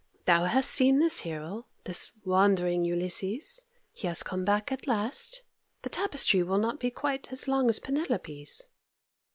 Thou hast seen this hero, this wandering Ulysses. He has come back at last—the tapestry will not be quite as long as Penelope's.